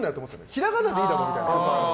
ひらがなでいいだろみたいな。